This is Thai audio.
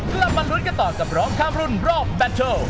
กลับมาลุ้นกันต่อกับร้องข้ามรุ่นรอบแตล